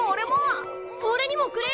おれにもくれよ！